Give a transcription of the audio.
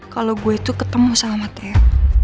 kalo gue itu ketemu sama matteo